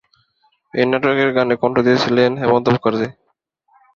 এই নাটকের গানে কন্ঠ দিয়ে ছিলেন হেমন্ত মুখার্জী।